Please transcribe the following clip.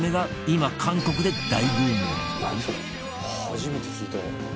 「初めて聞いた」